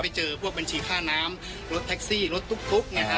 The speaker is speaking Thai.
ไปเจอพวกบัญชีค่าน้ำรถแท็กซี่รถตุ๊ปตุ๊ปอย่างเงี้ยค่ะ